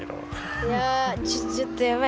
いやちょちょっとやばい。